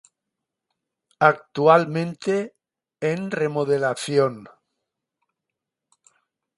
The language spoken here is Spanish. Actualmente en remodelación.